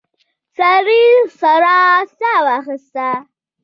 سړي سړه ساه واخیسته.